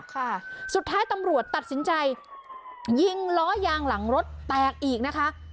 ค่ะสุดท้ายตำรวจตัดสินใจยิงล้อยางหลังรถแตกอีกนะคะ